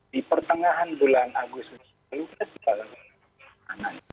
di pertengahan bulan agustus ini kita sudah lakukan